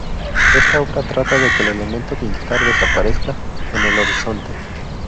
Esta obra trata de que el elemento militar desaparezca en el horizonte.